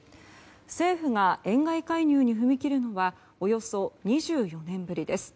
政府が円買い介入に踏み切るのはおよそ２４年ぶりです。